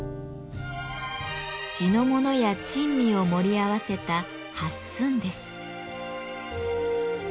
地のものや珍味を盛り合わせた「八寸」です。